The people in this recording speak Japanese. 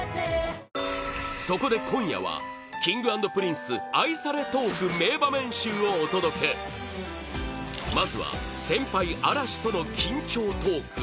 そこで今夜はＫｉｎｇ＆Ｐｒｉｎｃｅ愛されトーク名場面集をお届けまずは先輩・嵐との緊張トーク